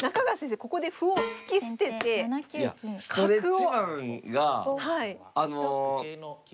ここで歩を突き捨てて角を。